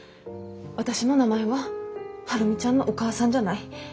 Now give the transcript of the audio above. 私の名前は「晴海ちゃんのお母さん」じゃない。